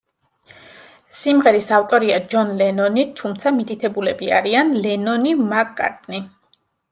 სიმღერის ავტორია ჯონ ლენონი, თუმცა მითითებულები არიან ლენონი–მაკ-კარტნი.